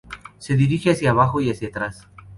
Se dirige hacia abajo y hacia atrás.